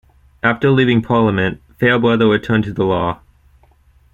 After leaving Parliament, Fairbrother returned to the law.